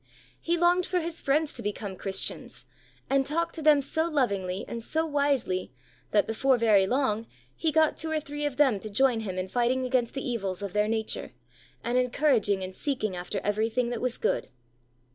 He longed for his friends to become Christians, and talked to them so lovingly and so wisely that before very long he got two or three of them to join him in fighting against the evils of their nature, and encouraging and seeking after everything that was good.